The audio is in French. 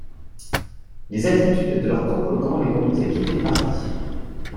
Les attitudes de leur propre camp les conduisent à quitter le parti.